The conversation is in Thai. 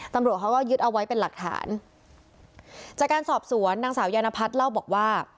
ตำรวจเขาก็ยึดเอาไว้เป็นหลักฐานจากการสอบสวนนางสาวยานพัฒน์เล่าบอกว่า